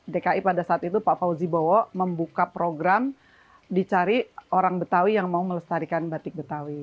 dki pada saat itu pak fauzi bowo membuka program dicari orang betawi yang mau melestarikan batik betawi